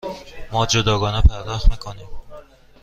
ما جداگانه پرداخت می کنیم.